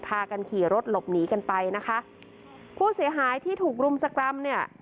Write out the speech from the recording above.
พากันขี่รถหลบหนีกันไปนะคะผู้เสียหายที่ถูกรุมสกรรมเนี่ย